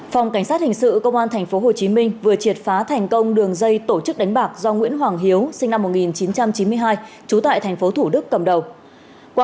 phòng cảnh sát hình sự công an tp hcm vừa triệt phá thành công đường dây tổ chức đánh bạc do nguyễn hoàng hiếu sinh năm một nghìn chín trăm chín mươi hai trú tại tp thủ đức cầm đầu